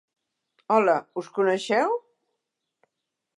Hola, us coneixeu?